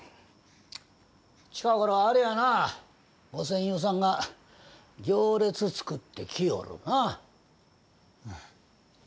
近頃はあれやなご戦友さんが行列作って来よるな。で？